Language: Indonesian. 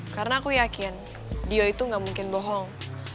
karena aku yakin dio itu gak mungkin bohong